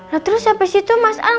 nah terus sampe situ mas al